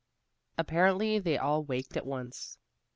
Apparently they all waked at once.